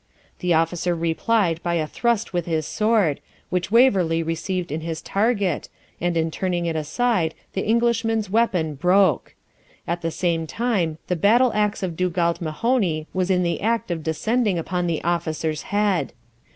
The officer replied by a thrust with his sword, which Waverley received in his target, and in turning it aside the Englishman's weapon broke. At the same time the battle axe of Dugald Mahony was in the act of descending upon the officer's head.